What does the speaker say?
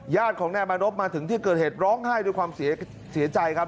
ญาติของนายมานพมาถึงที่เกิดเหตุร้องไห้ด้วยความเสียใจครับ